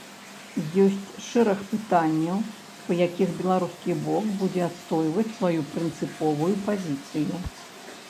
Ёсць шэраг пытанняў, па якіх беларускі бок будзе адстойваць сваю прынцыповую пазіцыю.